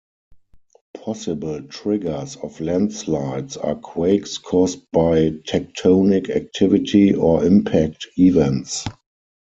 Possible triggers of landslides are quakes caused by tectonic activity or impact events.